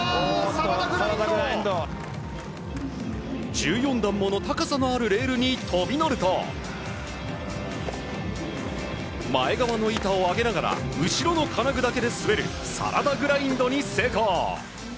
１４段もの高さのあるレールに飛び乗ると前側の板を上げながら後ろの金具だけで滑るサラダグラインドに成功！